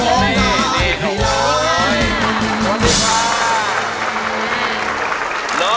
สวัสดีค่ะ